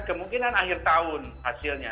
kemungkinan akhir tahun hasilnya